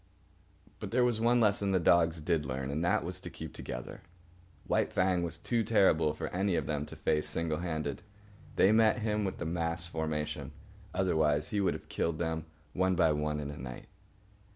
But there was one lesson the dogs did learn, and that was to keep together. White Fang was too terrible for any of them to face single handed. They met him with the mass formation, otherwise he would have killed them, one by one, in a night.